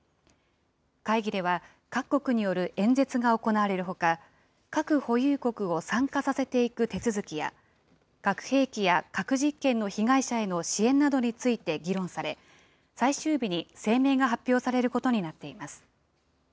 会議では各国による演説が行われるほか、核保有国を参加させていく手続きや、核兵器や核実験の被害者への支援などについて議論され、最終日に声明が発表されることになっています。